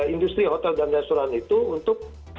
industri hotel dan restoran itu untuk